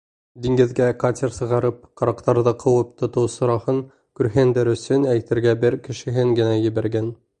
Диңгеҙгә катер сығарып, ҡараҡтарҙы ҡыуып тотоу сараһын күрһендәр өсөн әйтергә бер кешеһен генә ебәргән.